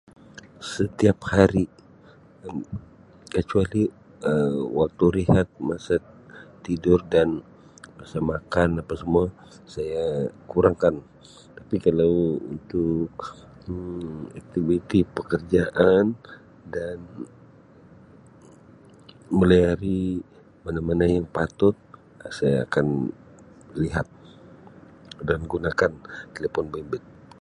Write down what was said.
Setiap hari Um kecuali Um waktu rehat, masa tidur dan masa makan apa semua saya kurangkan tapi kalau untuk Um aktiviti pekerjaan dan melayari mana-mana yang patut saya akan lihat dan gunakan telefon bimbit.